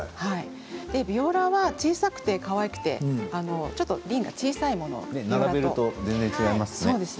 ビオラは小さくてかわいくてちょっと輪が小さいものです。